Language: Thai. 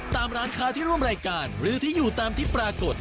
ตามร้านค้าที่ร่วมรายการหรือที่อยู่ตามที่ปรากฏ